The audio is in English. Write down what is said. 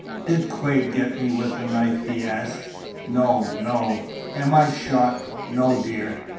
"Did Quade get me with the knife?" he asked. "No, no." "Am I shot?" "No, dear."